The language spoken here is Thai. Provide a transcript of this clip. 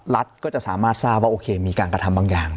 รัฐก็จะสามารถทราบว่าโอเคมีการกระทำบางอย่าง